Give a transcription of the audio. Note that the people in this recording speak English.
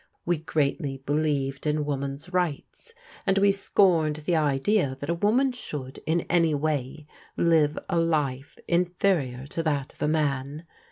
We greatly believed in woman's rights, and we scorned the idea that a woman should in any way live a life inferior to that of a man.